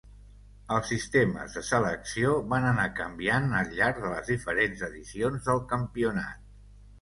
Els sistemes de selecció van anar canviant al llarg de les diferents edicions del campionat.